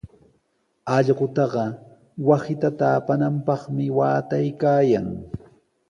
Allqutaqa wasita taapananpaqmi waataykaayan.